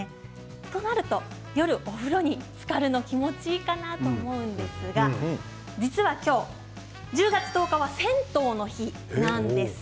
こうなると夜お風呂につかるのが気持ちいいかなと思うんですが今日１０月１０日は銭湯の日なんです。